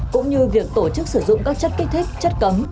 cũng như việc tổ chức sử dụng các chất kích thích chất cấm